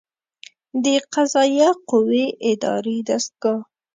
د قضائیه قوې اداري دستګاه